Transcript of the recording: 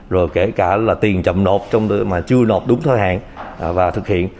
rồi kể cả là tiền chậm nộp mà chưa nộp đúng thời hạn và thực hiện